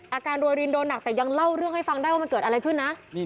อาการโรยรินโดนหนักแต่ยังเล่าเรื่องให้ฟังได้ว่ามันเกิดอะไรขึ้นนะ